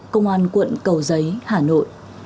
công an quận cầu giới hà nội